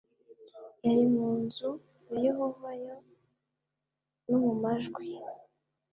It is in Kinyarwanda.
yari mu nzu ya yehova y no mumajwi